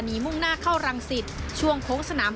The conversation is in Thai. หนีมุ่งหน้าเข้ารังสิทธิ์ช่วงโผ้งสนาม